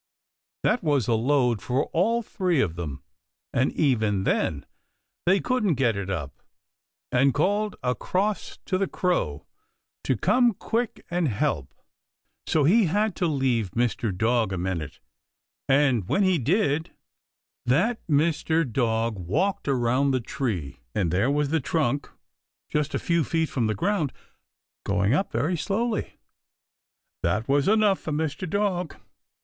That was a load for all three of them, and even then they couldn't get it up, and called across to the Crow to come quick and help. So he had to leave Mr. Dog a minute, and when he did that Mr. Dog walked around the tree, and there was the trunk just a few feet from the ground, going up very slowly. That was enough for Mr. Dog.